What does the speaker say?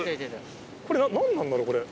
これ何なんだろうこれ。